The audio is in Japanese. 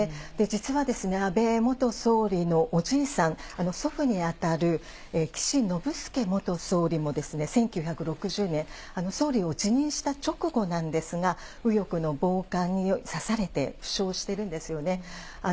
実は安倍元総理のおじいさん、祖父に当たる岸信介元総理も、１９６０年、総理を辞任した直後なんですが、右翼の暴漢に刺されて負傷してるんですよね。